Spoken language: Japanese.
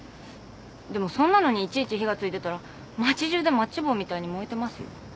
でもそんなのにいちいち火がついてたら町中でマッチ棒みたいに燃えてますよ。